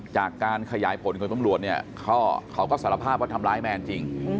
จากการขยายผลของตำรวจเนี่ยเขาก็สารภาพว่าทำร้ายแมนจริง